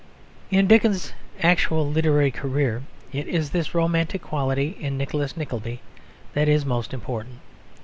In Dickens's actual literary career it is this romantic quality in Nicholas Nickleby that is most important.